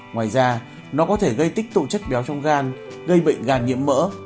ngoài ra nó có thể gây tích tụ chất béo trong gan gây bệnh gan nhiễm mỡ